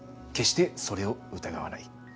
決してそれを疑わない。